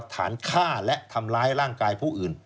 ฐานฆ่าและทำร้ายร่างกายผู้อื่น